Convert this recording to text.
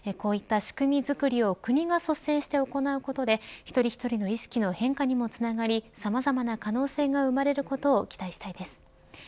こういった仕組みづくりを国が率先して行うことで一人一人の意識の変化にもつながりさまざまな可能性が生まれることを期待したいです。